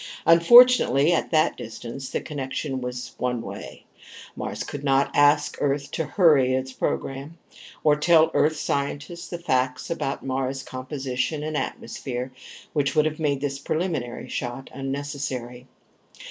Unfortunately, at that distance, the connection was one way. Mars could not ask Earth to hurry its program. Or tell Earth scientists the facts about Mars' composition and atmosphere which would have made this preliminary shot unnecessary.